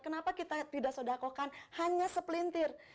kenapa kita tidak sodakokan hanya sepelintir